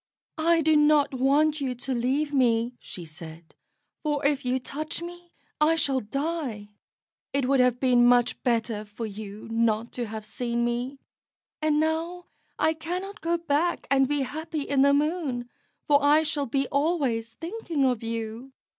"I do not want you to leave me," she said, "for if you touch me I shall die. It would have been much better for you not to have seen me; and now I cannot go back and be happy in the Moon, for I shall be always thinking of you."